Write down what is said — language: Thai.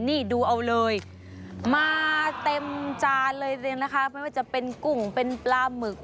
นี่ดูเอาเลยมาเต็มจานเลยนะคะไม่ว่าจะเป็นกุ้งเป็นปลาหมึก